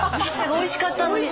おいしかったのに。